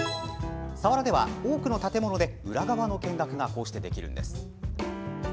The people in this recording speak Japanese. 佐原では、多くの建物で裏側の見学ができるんです。